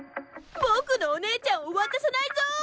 僕のお姉ちゃんを渡さないぞう！